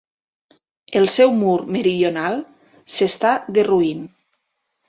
El seu mur meridional s'està derruint.